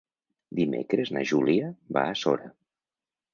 Dimecres na Júlia va a Sora.